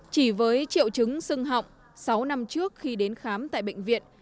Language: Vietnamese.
chỉ với triệu chứng sưng họng sáu năm trước khi đến khám tại bệnh viện